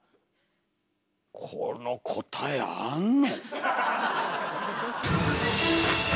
この答えあんの？